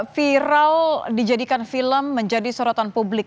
viral dijadikan film menjadi sorotan publik